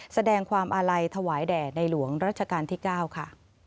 แสดงความอาลัยถวายแด่ในหลวงรัชกาลที่๙ค่ะ